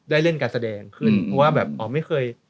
ได้เล่นการแสดงขึ้นเพราะว่าแบบ